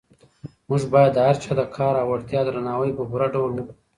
موږ باید د هر چا د کار او وړتیا درناوی په پوره ډول وکړو.